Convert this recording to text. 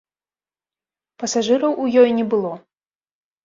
Пасажыраў у ёй не было.